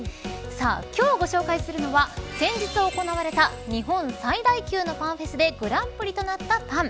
今日、ご紹介するのは先日行われた日本最大級のパンフェスでグランプリとなったパン。